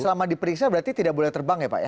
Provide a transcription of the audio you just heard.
selama diperiksa berarti tidak boleh terbang ya pak ya